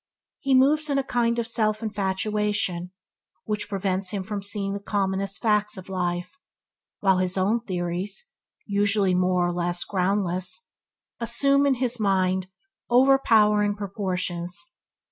He moves in a kind of self infatuation which prevents him from seeing the commonest facts of life, while his own theories – usually more or less groundless – assume, in his mind, overpowering proportions.